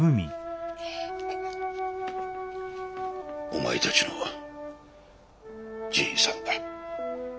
お前たちのじいさんだ。